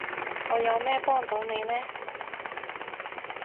我有咩幫到你呢？